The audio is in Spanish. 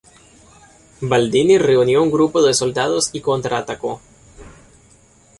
Baldini reunió un grupo de soldados y contraatacó.